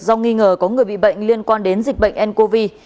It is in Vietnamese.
do nghi ngờ có người bị bệnh liên quan đến dịch bệnh ncov